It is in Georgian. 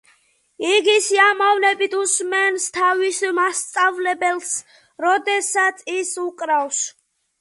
იგი სიამოვნებით უსმენს თავის მასწავლებელს, როდესაც ის უკრავს.